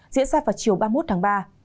diễn ra vào chiều ba mươi một tháng ba